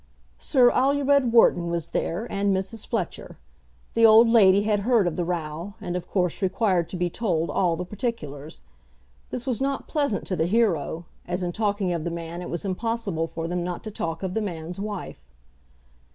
Sir Alured Wharton was there, and Mrs. Fletcher. The old lady had heard of the row, and of course required to be told all the particulars. This was not pleasant to the hero, as in talking of the man it was impossible for them not to talk of the man's wife.